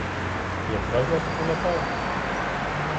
Якраз на таку напав!